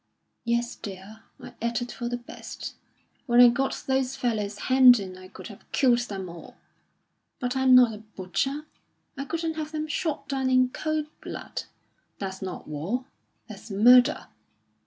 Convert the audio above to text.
"Yes, dear; I acted for the best. When I got those fellows hemmed in I could have killed them all. But I'm not a butcher; I couldn't have them shot down in cold blood. That's not war; that's murder.